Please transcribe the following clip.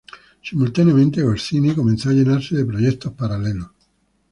Simultáneamente, Goscinny comenzó a llenarse de proyectos paralelos.